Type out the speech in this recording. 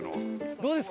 どうですか？